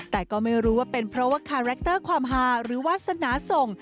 แต่ก็ไม่รู้ว่าเป็นเพราะว่าคาแรคเตอร์ความฮาหรือวาสนาส่ง